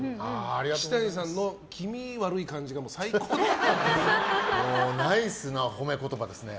岸谷さんの気味悪い感じがナイスな褒め言葉ですね。